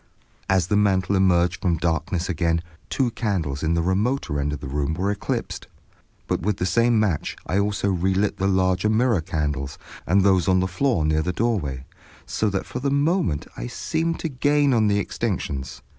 As the mantel emerged from darkness again, two candles in the remoter end of the room were eclipsed. But with the same match I also relit the larger mirror candles, and those on the floor near the doorway, so that for the moment I seemed to gain on the extinctions.